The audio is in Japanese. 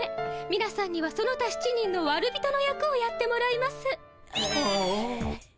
みなさんにはその他７人のわる人の役をやってもらいます。